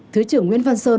thứ trưởng nguyễn văn sơn